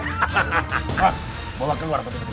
mas bawa keluar